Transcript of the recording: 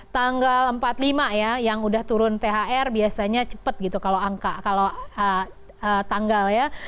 tanggal empat puluh lima ya yang udah turun thr biasanya cepat gitu kalau angka kalau tanggal ya